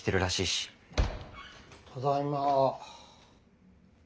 ・ただいま。